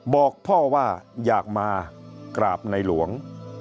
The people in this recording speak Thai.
บอกพ่อว่าอยากมากราบในหลวง